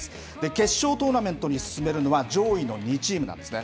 決勝トーナメントに進めるのは上位の２チームなんですね。